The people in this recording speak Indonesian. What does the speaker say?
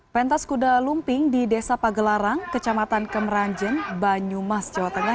pentas kuda lumping di desa pagelaran kecamatan kemeranjen banyumas jawa tengah